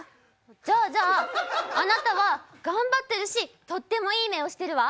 じゃあじゃあ、あなたは頑張ってるし、とってもいい目をしてるわ。